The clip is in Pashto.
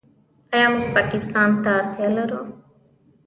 آیا موږ پاکستان ته اړتیا لرو؟